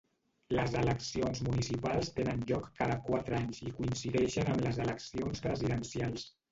Les eleccions municipals tenen lloc cada quatre anys i coincideixen amb les eleccions presidencials.